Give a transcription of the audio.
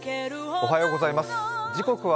おはようございます。